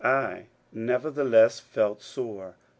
^ I nevertheless felt sore.